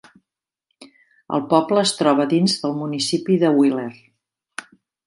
El poble es troba dins del municipi de Wheeler.